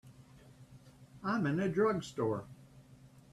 I'm in a drugstore.